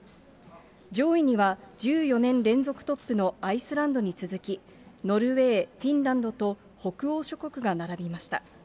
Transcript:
上位には１４年連続トップのアイスランドに続き、ノルウェー、フィンランドと北欧諸国が並びました。